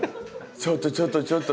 ちょっとちょっとちょっと。